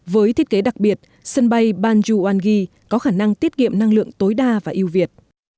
với thiết kế đặc biệt sân bay bandung wangi có khả năng tiết kiệm năng lượng tối đa và ưu việt